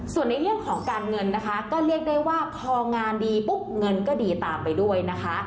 ส่วนในเรื่องของการเงินนะคะก็เรียกได้ว่าพองานดีปุ๊บเงินก็ดีตามไปด้วยนะคะ